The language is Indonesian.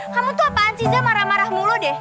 kamu itu apaan sih zah marah marah mulu deh